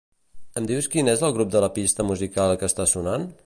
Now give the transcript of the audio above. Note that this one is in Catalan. Em dius quin és el grup de la pista musical que està sonant?